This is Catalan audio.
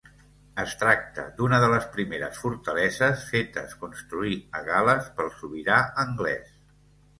Es tracta d'una de les primeres fortaleses fetes construir a Gal·les pel sobirà anglès.